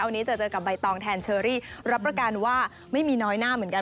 วันนี้จะเจอกับใบตองแทนเชอรี่รับประกันว่าไม่มีน้อยหน้าเหมือนกัน